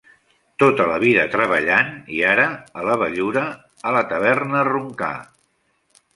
Tota la vida treballant i ara, a la vellura, a la taverna a roncar.